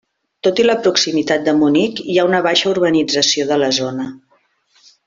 Tot i la proximitat de Munic hi ha una baixa urbanització de la zona.